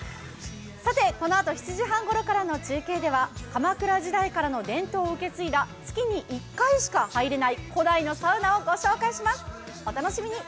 さて、このあと７時半ごろの中継では鎌倉時代からの伝統を受け継いだ月に１回しか入れない古代のサウナを御紹介します、お楽しみに。